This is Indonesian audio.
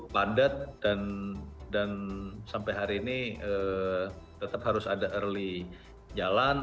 padat dan sampai hari ini tetap harus ada early jalan